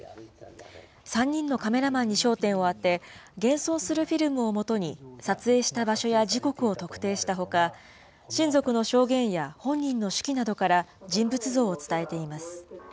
３人のカメラマンに焦点を当て、現存するフィルムを基に、撮影した場所や時刻を特定したほか、親族の証言や本人の手記などから人物像を伝えています。